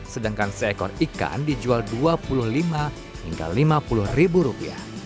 sedangkan seekor ikan dijual rp dua puluh lima hingga rp lima puluh